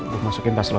gue masukin tas lo ya